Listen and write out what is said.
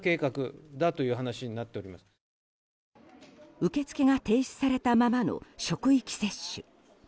受け付けが停止されたままの職域接種。